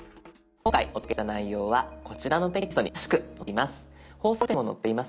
今回お届けした内容はこちらのテキストに詳しく載っています。